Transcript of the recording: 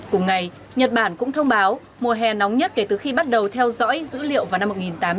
cùng ngày nhật bản cũng thông báo mùa hè nóng nhất kể từ khi bắt đầu theo dõi dữ liệu vào năm một nghìn tám trăm tám mươi